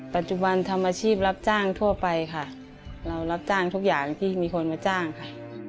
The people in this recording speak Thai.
ปัจจุบันทำอาชีพรับจ้างทั่วไปค่ะเรารับจ้างทุกอย่างที่มีคนมาจ้างค่ะ